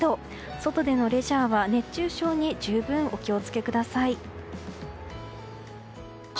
外でのレジャーは熱中症に十分お気を付けください。